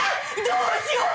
どうしよう！